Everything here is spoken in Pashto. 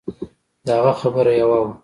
د هغه خبره يوه وه.